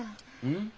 うん？